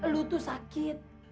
lu tuh sakit